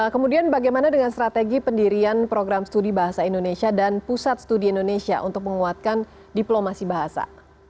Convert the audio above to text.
kemudian bagaimana dengan strategi pendirian program studi bahasa indonesia dan pusat studi indonesia untuk menguatkan diplomasi bahasa